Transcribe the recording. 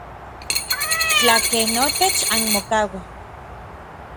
Tlakej notech anmokauaj.